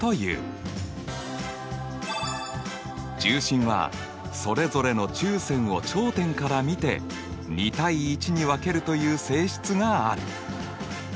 重心はそれぞれの中線を頂点から見て２：１に分けるという性質がある。